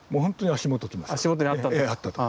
足元にあったと。